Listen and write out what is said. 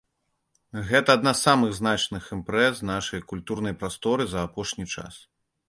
Гэта адна з самых значных імпрэз нашай культурнай прасторы за апошні час.